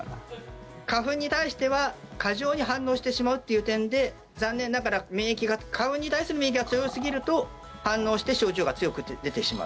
花粉に対しては過剰に反応してしまうという点で残念ながら免疫が花粉に対する免疫が強すぎると反応して症状が強く出てしまう。